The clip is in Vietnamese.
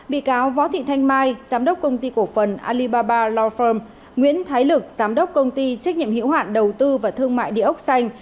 bị cáo võ thị thanh mai giám đốc công ty cổ phần alibaba law firm nguyễn thái lực giám đốc công ty trách nhiệm hiệu hoạn đầu tư và thương mại địa ốc xanh